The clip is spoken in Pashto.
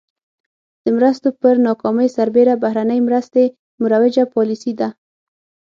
د مرستو پر ناکامۍ سربېره بهرنۍ مرستې مروجه پالیسي ده.